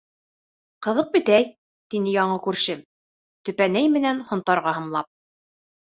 — Ҡыҙыҡ бит, әй, — тине яңы күршем, төпәнәй менән һонторға ымлап.